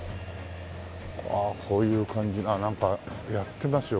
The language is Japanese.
ああこういう感じなんかやってますよ